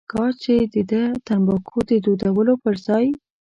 کاش چې دده تنباکو د دودولو پر ځای.